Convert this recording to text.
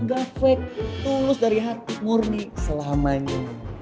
gak fake tulus dari hati murni selamanya